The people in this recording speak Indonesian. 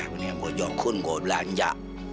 mendingan gue jokul gue belanja